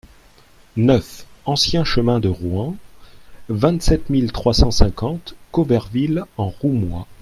neuf ancien Chemin de Rouen, vingt-sept mille trois cent cinquante Cauverville-en-Roumois